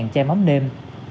hai chai mắm nêm